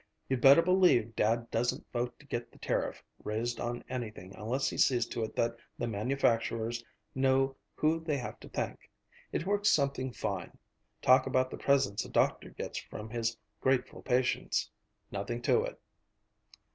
"You'd better believe Dad doesn't vote to get the tariff raised on anything unless he sees to it that the manufacturers know who they have to thank. It works something fine! Talk about the presents a doctor gets from his grateful patients! Nothing to it!"